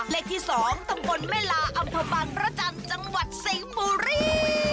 เลขที่สองตำวนแม่ลาอัมพบันราชันจังหวัดสิงห์บุรี